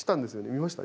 見ました？